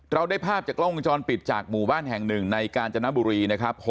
ได้ภาพจากกล้องวงจรปิดจากหมู่บ้านแห่งหนึ่งในกาญจนบุรีนะครับ